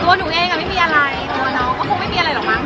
ตัวหนูเองไม่มีอะไรตัวน้องก็คงไม่มีอะไรหรอกมั้